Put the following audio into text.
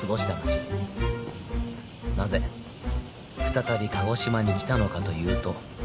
なぜ再び鹿児島に来たのかというと